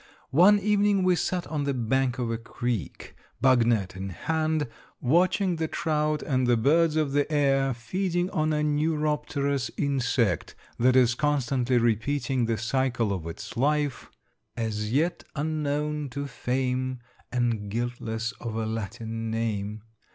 "One evening we sat on the bank of a creek, bug net in hand, watching the trout and the birds of the air feeding on a neuropterous insect that is constantly repeating the cycle of its life, 'As yet unknown to fame, And guiltless of a Latin name.'